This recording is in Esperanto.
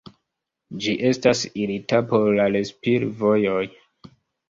Ĝi estas irita por la respir-vojoj.